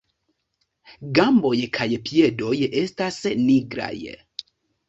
Gamboj kaj piedoj estas nigraj.